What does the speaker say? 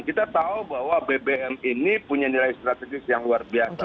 kita tahu bahwa bbm ini punya nilai strategis yang luar biasa